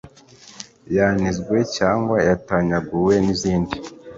yanizwe cyangwa yatanyaguwe n’izindi